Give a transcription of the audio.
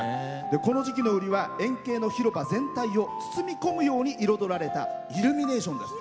この時期の売りは円形の広場全体を包み込むように彩られたイルミネーションです。